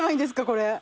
これ。